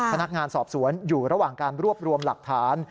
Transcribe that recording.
พนักงานสอบสวนอยู่ระหว่างการรวบรวมหลักฐาน